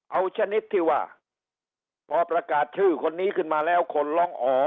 เอาชนิดที่ว่าพอประกาศชื่อคนนี้ขึ้นมาแล้วคนร้องอ๋อ